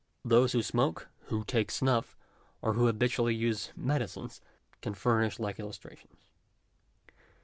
Those who smoke, who take snuff, or who habitually use medicines, can ftirnish like illustrations.